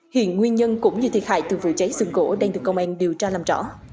hiện nguyên nhân cũng như thiệt hại từ vụ cháy sưởng gỗ đang được công an điều tra làm rõ